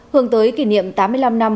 hướng tới kỷ niệm tám mươi năm năm